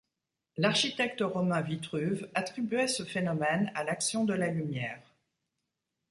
L’architecte romain Vitruve attribuait ce phénomène à l’action de la lumière.